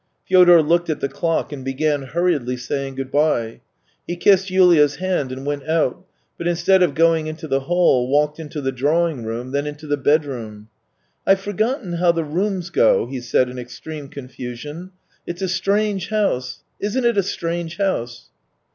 Fyodor looked at the clock and began hurriedly saying good bye. He kissed Yulia's hand and went out, but instead of going into the hall, THREE YEARS 297 walked into the drawing room, then into the bedroom. " I've forgotten how the rooms go," he said in extreme confusion. " It's a strange house. Isn't it a strange house